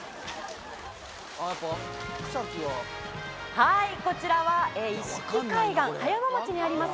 はいこちらは一色海岸葉山町にあります